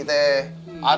aduh dapat di init lagi